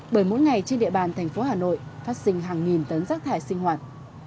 bởi mỗi ngày trên địa bàn thành phố hà nội phát sinh hàng nghìn tấn rác thải sinh hoạt